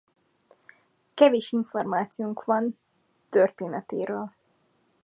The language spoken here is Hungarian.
Kevés információnk van történetéről.